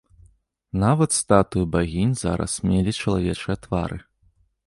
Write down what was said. Нават статуі багінь зараз мелі чалавечыя твары.